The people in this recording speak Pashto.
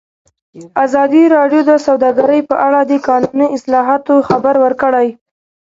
ازادي راډیو د سوداګري په اړه د قانوني اصلاحاتو خبر ورکړی.